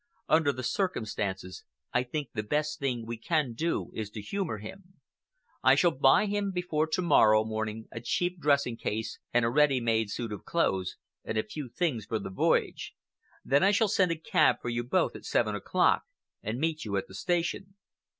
Under the circumstances, I think the best thing we can do is to humor him. I shall buy him before to morrow morning a cheap dressing case and a ready made suit of clothes, and a few things for the voyage. Then I shall send a cab for you both at seven o'clock and meet you at the station.